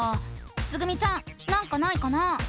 つぐみちゃんなんかないかな？